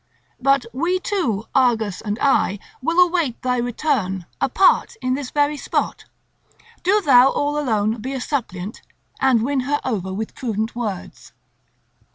But we two, Argus and I, will await thy return, apart in this very spot; do thou all alone be a suppliant and win her over with prudent words."